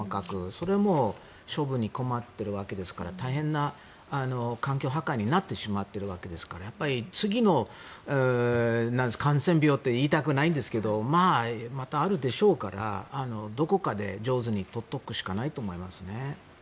それも処分に困ってるわけですから大変な環境破壊になってしまっているわけですからやっぱり次の感染症と言いたくはないんですがまたあるでしょうからどこかで上手に取っておくしかないと思いますね。